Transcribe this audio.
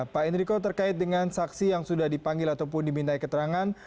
pak enrico terkait dengan saksi yang sudah dipanggil ataupun diminta keterangan